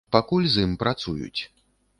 Пакуль з ім працуюць.